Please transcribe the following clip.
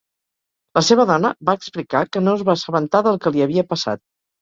La seva dona va explicar que no es va assabentar del que li havia passat.